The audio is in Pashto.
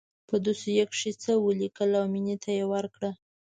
په دوسيه کښې يې څه وليکل او مينې ته يې ورکړه.